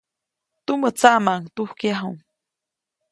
Tumä tsaʼmaʼuŋ tujkyaju.